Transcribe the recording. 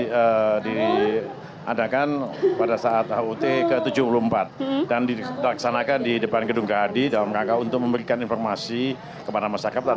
ini diadakan pada saat hut ke tujuh puluh empat dan dilaksanakan di depan gedung gad dalam rangka untuk memberikan informasi kepada masyarakat